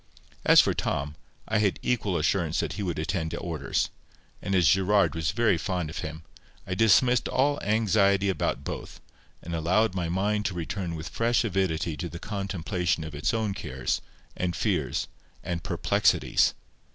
As for Tom, I had equal assurance that he would attend to orders; and as Gerard was very fond of him, I dismissed all anxiety about both, and allowed my mind to return with fresh avidity to the contemplation of its own cares, and fears, and perplexities.